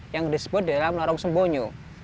yang disebut dalam larang sembunyi